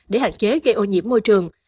để hạn chế gây ô nhiễm môi trường